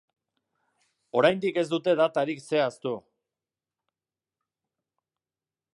Oraindik ez dute datarik zehaztu.